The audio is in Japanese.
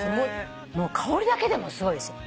もう香りだけでもすごいですよ。